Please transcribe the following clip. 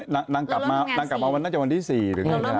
นางกลับมานางกลับมาวันน่าจะวันที่๔หรือนู่น